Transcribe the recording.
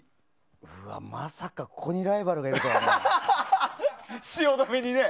まさかここにライバルがいるとは。